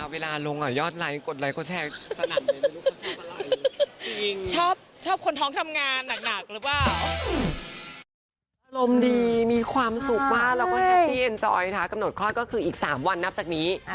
เวลาลงอ่ะยอดไลค์กดไลค์กดแชร์สนั่งเลยไม่รู้เขาชอบอะไร